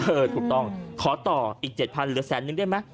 ถูกต้องขอต่ออีก๗๐๐เหลือแสนนึงได้ไหม